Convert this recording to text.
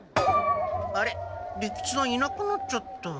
あれ利吉さんいなくなっちゃった。